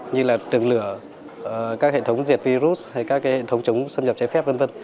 như là tường lửa các hệ thống diệt virus hay các hệ thống chống xâm nhập trái phép v v